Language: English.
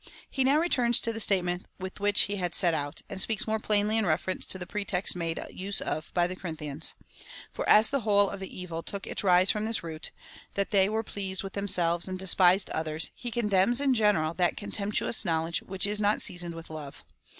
He now returns to the statement with which he had set out, and speaks more plainly in reference to the pretext made use of by the Corinthians. For as the whole of the evil took its rise from this root — that they were pleased with themselves, and despised others, he condemns, in general, that contemptuous knowledge which is not seasoned with love.